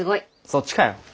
そっちかよ！